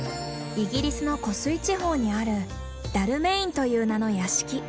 イギリスの湖水地方にあるダルメインという名の屋敷。